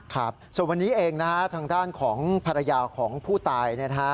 ครับส่วนวันนี้เองทางด้านของภรรยาของผู้ตาย